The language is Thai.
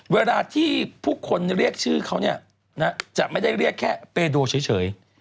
เวลาที่ผู้คนเรียกชื่อเขาเนี่ยจะไม่ได้เรียกแค่เปโดเฉย